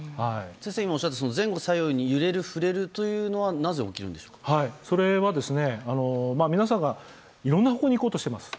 先生がおっしゃった前後左右に揺れる、振れるのはそれは、皆さんいろんな方向に行こうとしています。